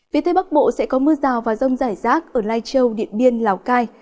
phía tây bắc bộ sẽ có mưa rào và rông rải rác ở lai châu điện biên lào cai